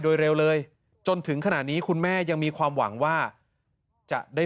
โดยเร็วเลยจนถึงขณะนี้คุณแม่ยังมีความหวังว่าจะได้